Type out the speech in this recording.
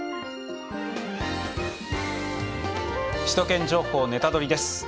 「首都圏情報ネタドリ！」です。